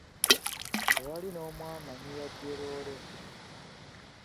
Tewali n'omu amanyi yabbye loole.